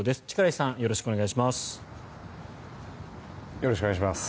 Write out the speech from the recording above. よろしくお願いします。